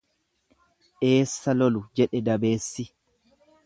Eessa lolu jedhe dabeessi.